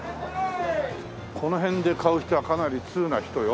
この辺で買う人はかなり通な人よ。